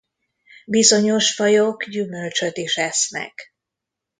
Bizonyos fajok gyümölcsöt is esznek.